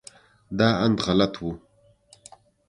دا اند غلط و.